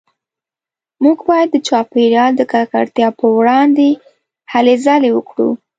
موږ باید د چاپیریال د ککړتیا پروړاندې هلې ځلې وکړو